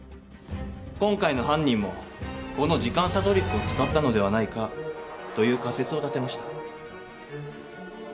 今回の犯人もこの時間差トリックを使ったのではないかという仮説を立てました。